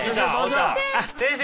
先生！